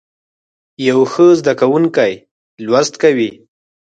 یو ښه زده کوونکی لوست کوي.